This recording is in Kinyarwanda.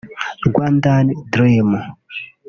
Rwandan Dream